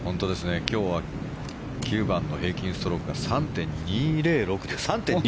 今日は９番の平均ストロークが３．２０６。